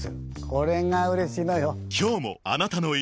これがうれしいのよ。